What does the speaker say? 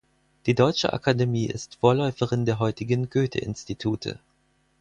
Die Deutsche Akademie ist Vorläuferin der heutigen Goethe-Institute.